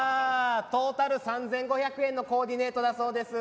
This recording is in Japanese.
トータル３，５００円のコーディネートだそうです。